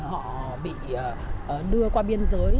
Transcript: họ bị đưa qua biên giới